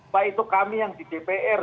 pak itu kami yang di dpr